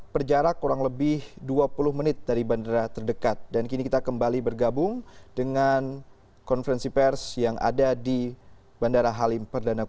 sekali lagi itu bukan kami membela diri bukan kami mencari pembenaran